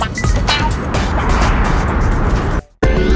อัสเดี๋ยวว่าแอร์